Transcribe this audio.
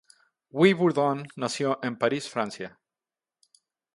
Guy Bourdin nació en París, Francia.